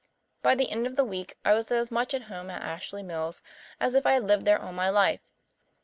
By the end of the week I was as much at home at Ashley Mills as if I had lived there all my life.